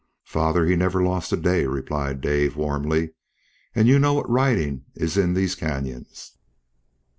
"Father, he never lost a day," replied Dave, warmly, "and you know what riding is in these canyons."